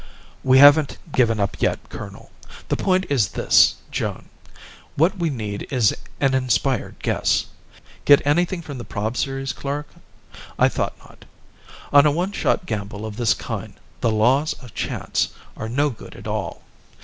"We haven't given up yet, colonel. The point is this, Joan: what we need is an inspired guess. Get anything from the prob series, Clark? I thought not. On a one shot gamble of this kind, the 'laws' of chance are no good at all.